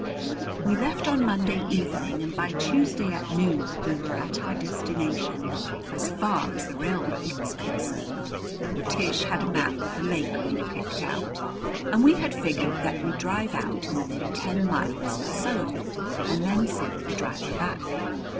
We left on Monday evening, and by Tuesday at noon we were at our destination, as far as the railroad was concerned. Tish had a map with the lake we'd picked out, and we had figured that we'd drive out to within ten miles or so of it and then send the driver back.